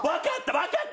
わかった！